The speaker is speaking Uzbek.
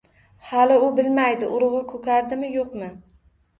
Hali u bilmaydi: urug‘i ko‘karadimi- yo‘qmi?